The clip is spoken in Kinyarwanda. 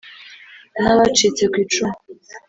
n'abacitse ku icumu